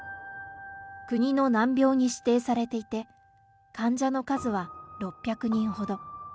国の難病に指定されていて、患者の数は６００人ほど。